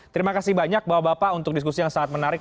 terima kasih banyak bapak bapak untuk diskusi yang sangat menarik